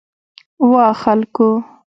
وا خلکو!